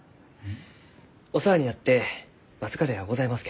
お世話になって僅かではございます